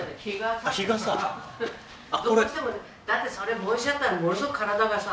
だってそれ帽子だったらものすごく体がさ。